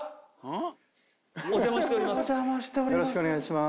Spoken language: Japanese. お邪魔しております。